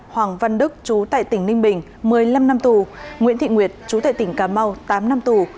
hoàng văn đức chú tại tỉnh ninh bình một mươi năm năm tù nguyễn thị nguyệt chú tại tỉnh cà mau tám năm tù